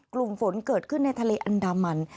กลุ่มฝนเกิดขึ้นในทะเลอันดามัน